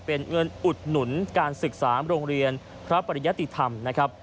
เป็นเงินอุดหนุนการศึกษาโรงเรียนพระปริยติธรรมนะครับ